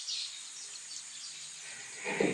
唯一好處係餐廳無乜人，多啲私人空間